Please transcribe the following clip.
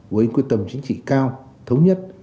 với quyết tâm chính trị cao thống nhất